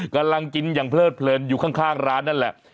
กำลังกินอย่างเพลิดเพลินอยู่ข้างร้านนั่นแหละ